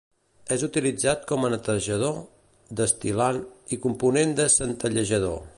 És utilitzat com a netejador, destil·lant, i component de centellejador.